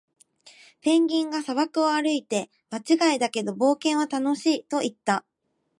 ペンギンが砂漠を歩いて、「場違いだけど、冒険は楽しい！」と言った。